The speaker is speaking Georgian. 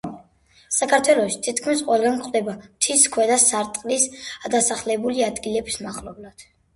საქართველოში თითქმის ყველგან გვხვდება მთის ქვედა სარტყლის დასახლებული ადგილების მახლობლად.